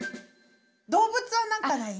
動物は何かない？